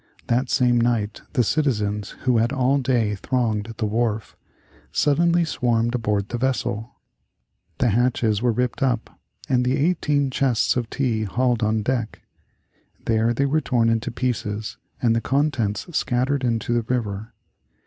That same night the citizens who had all day thronged the wharf, suddenly swarmed aboard the vessel. The hatches were ripped up, and the eighteen chests of tea hauled on deck. There they were torn into pieces and the contents scattered into the river.